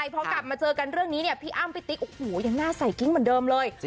พอกลับมาเจอกันเรื่องนี้เนี่ยพี่อ้ำพี่ติ๊กโอ้โหยังหน้าใส่กิ้งเหมือนเดิมเลย